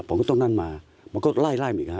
ผมก็ต้องนั่นมามันก็ไล่อีกนะฮะ